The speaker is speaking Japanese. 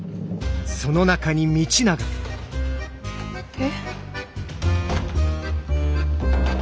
え？